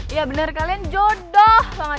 iya bener kalian jodoh banget